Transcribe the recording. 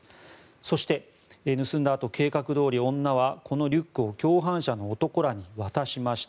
そして、盗んだあと計画どおり女はリュックを共犯者らに渡しました。